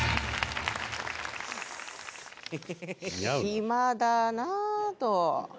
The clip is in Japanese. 暇だなっと。